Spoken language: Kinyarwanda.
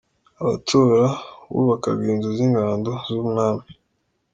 Abatora : Bubakaga inzu z’ ingando z’ Umwami.